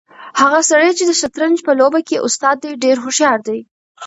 هغه سړی چې د شطرنج په لوبه کې استاد دی ډېر هوښیار دی.